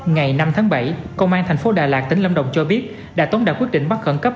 ngày năm tháng bảy công an tp hcm tính lâm đồng cho biết đà tống đã quyết định bắt khẩn cấp